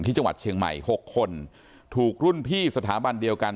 ที่จังหวัดเชียงใหม่๖คนถูกรุ่นพี่สถาบันเดียวกัน